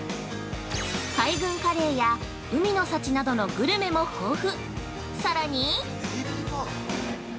海軍カレーや海の幸などのグルメも豊富。